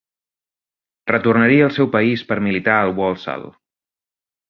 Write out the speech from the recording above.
Retornaria al seu país per militar al Walsall.